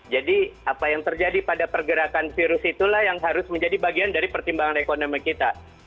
jadi apa yang terjadi pada pergerakan virus itulah yang harus menjadi bagian dari pertimbangan ekonomi kita